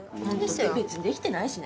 別にできてないしね。